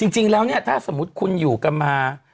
จริงแล้วเนี่ยถ้าสมมุติคุณอยู่กันมา